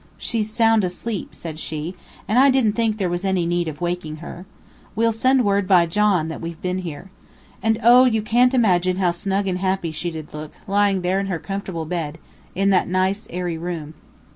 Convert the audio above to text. "She's sound asleep," said she, "and I didn't think there was any need of waking her. We'll send word by John that we've been here. And oh! you can't imagine how snug and happy she did look, lying there in her comfortable bed, in that nice, airy room.